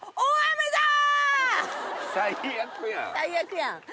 最悪やん。